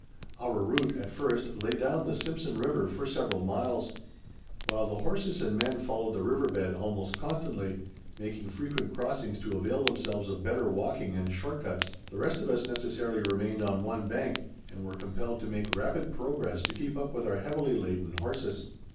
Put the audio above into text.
Our route, at first, lay down the Simpson River for several miles. While the horses and men followed the river bed almost constantly, making frequent crossings to avail themselves of better walking and short cuts, the rest of us necessarily remained on one bank, and were compelled to make rapid progress to keep up with our heavily laden horses.